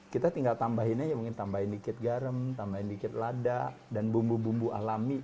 kita tinggal tambahin aja mungkin tambahin dikit garam tambahin dikit lada dan bumbu bumbu alami